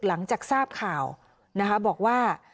หลังจากทราบข่าว